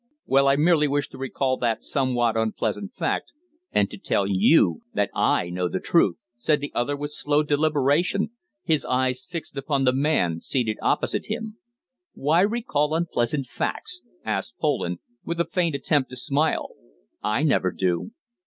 "Well, I merely wish to recall that somewhat unpleasant fact, and to tell you that I know the truth," said the other with slow deliberation, his eyes fixed upon the man seated opposite him. "Why recall unpleasant facts?" asked Poland, with a faint attempt to smile. "I never do."